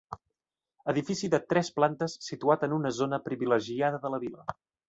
Edifici de tres plantes situat en una zona privilegiada de la vila.